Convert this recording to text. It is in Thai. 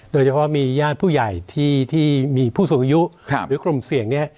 โดยเฉพาะมีญาติผู้ใหญ่ที่มีผู้สูงอายุหรือกลุ่มเสี่ยงเนี่ย